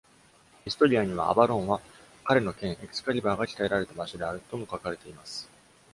「ヒストリア」には、アヴァロンは彼の剣エクスカリバーが鍛えられた場所であるとも書かれています。